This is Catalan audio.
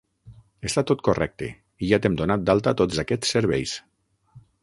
Està tot correcte, i ja t'hem donat d'alta tots aquests serveis.